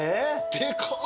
でかっ！